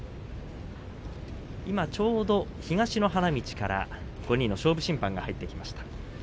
今ちょうど東の花道から５人の勝負審判が入ってきました。